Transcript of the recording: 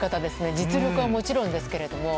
実力はもちろんですけども。